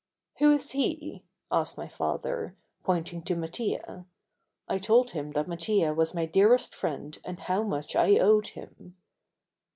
"Who is he?" asked my father, pointing to Mattia. I told him that Mattia was my dearest friend and how much I owed him.